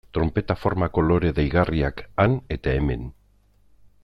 Tronpeta formako lore deigarriak han eta hemen.